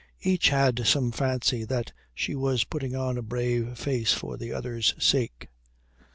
Each had some fancy that she was putting on a brave face for the other's sake.